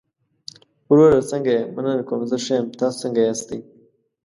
وروره څنګه يې؟ مننه کوم، زه ښۀ يم، تاسو څنګه ياستى؟